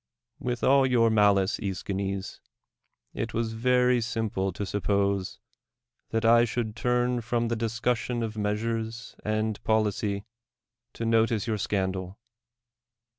With all your malice, ^Eschines, it was very sim ple to suppose that I should turn from the dis cussion of measures and policy to notice your scandal.